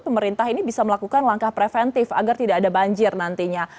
pemerintah ini bisa melakukan langkah preventif agar tidak ada banjir nantinya